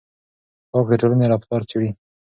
پارک د ټولنې رفتار څېړي.